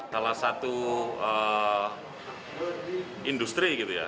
salah satu industri gitu ya